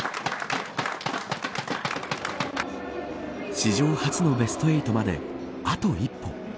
史上初のベスト８まであと一歩。